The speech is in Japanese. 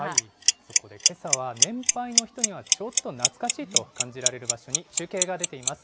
そこでけさは年配の人には、ちょっと懐かしいと感じられる場所に中継が出ています。